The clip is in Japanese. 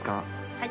はい。